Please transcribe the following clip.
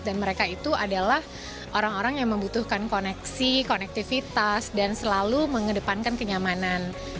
dan mereka itu adalah orang orang yang membutuhkan koneksi konektivitas dan selalu mengedepankan kenyamanan